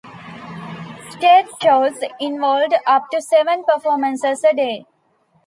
Stage shows involved up to seven performances a day.